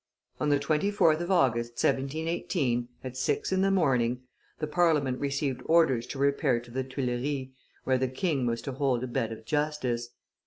On the 24th of August, 1718, at six in the morning, the Parliament received orders to repair to the Tuileries, where the king was to hold a bed of justice.